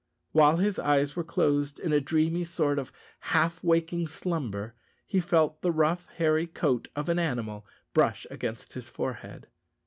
While his eyes were closed in a dreamy sort of half waking slumber, he felt the rough, hairy coat of an animal brush against his forehead.